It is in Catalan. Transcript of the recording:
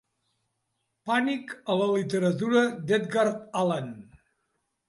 Pànic a la literatura d'Edgar Allan.